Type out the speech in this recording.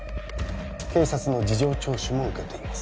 警察の事情聴取も受けています